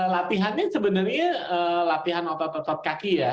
latihannya sebenarnya latihan otot otot kaki ya